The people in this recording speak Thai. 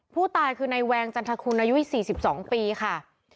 ผู้ตายคือในแวงจันทคุณอายุ๔๒ปีค่ะ